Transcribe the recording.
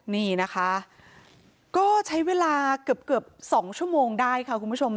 นี่นะคะก็ใช้เวลาเกือบ๒ชั่วโมงได้ค่ะคุณผู้ชม